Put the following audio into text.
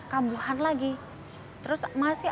kabuhan lagi terus masih